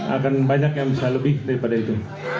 akan banyak yang bisa lebih daripada itu